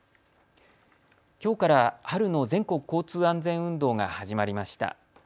きょうから春の全国交通安全運動が始まりました。